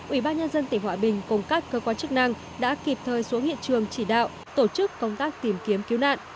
ubnd tỉnh hòa bình cùng các cơ quan chức năng đã kịp thời xuống hiện trường chỉ đạo tổ chức công tác tìm kiếm cứu nạn